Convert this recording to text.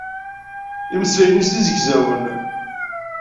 Imeslayen-is d izegzawen.